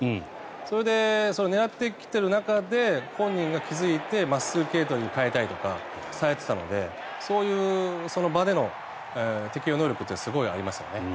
それで、狙ってきてる中で本人が気付いて真っすぐ系統に変えたりとかしていたのでそういう、その場での適応能力はすごいありますよね。